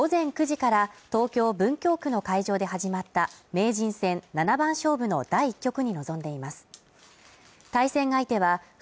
午前９時から、東京文京区の会場で始まった名人戦七番勝負の第１局に臨んでいます。